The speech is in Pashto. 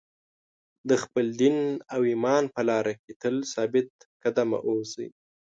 د خپل دین او ایمان په لار کې تل ثابت قدم اوسئ.